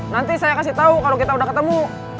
nanti saya kasih tau kalau kita udah ketemu